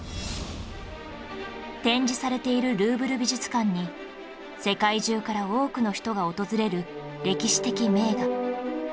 展示されているルーブル美術館に世界中から多くの人が訪れる歴史的名画